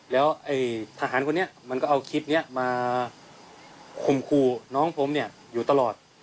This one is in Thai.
แล้วทหารคนนี้มันก็เอาคลิปนี้มาข่มขู่น้องผมเนี่ยอยู่ตลอด